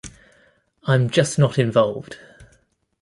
I'm just not involved.